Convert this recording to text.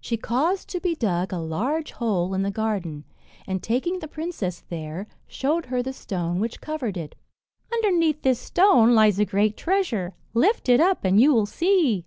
She caused to be dug a large hole in the garden, and taking the princess there, showed her the stone which covered it. "Underneath this stone lies a great treasure; lift it up, and you will see."